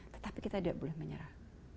tetapi kita tidak boleh menyerah